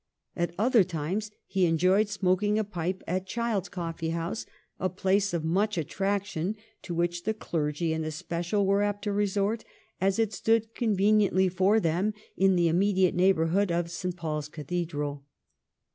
At other times he enjoyed smoking a pipe at Child's coffee house, a place of much attraction, to which the clergy in especial were apt to resort as it stood conveniently for them in the immediate neighbourhood of St. Paul's Cathedral.